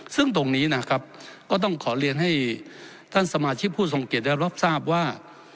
ซึ่งตรงนี้นะครับก็ต้องขอเรียนให้ท่านสมาชิกผู้ทรงเกียจได้รับทราบว่า